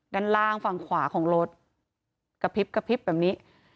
ด้านล่างฝั่งขวาของรถกระพริบกระพริบแบบนี้